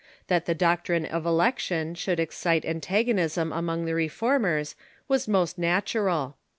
That the doc trine of election should excite antagonism among the Reform ers was most natural.